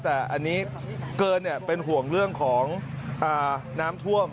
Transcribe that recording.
แต่อันนี้เกินเป็นห่วงเรื่องของน้ำท่วม